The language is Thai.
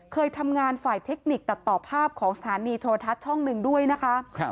เคยทำงานฝ่ายเทคนิคตัดต่อภาพของสถานีโทรทัศน์ช่องหนึ่งด้วยนะคะ